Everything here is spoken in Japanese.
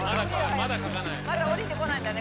まだ降りてこないんだね